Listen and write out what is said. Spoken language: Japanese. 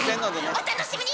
お楽しみに！